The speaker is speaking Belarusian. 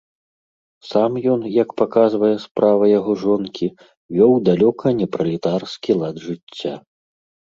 Сам ён, як паказвае справа яго жонкі, вёў далёка не пралетарскі лад жыцця.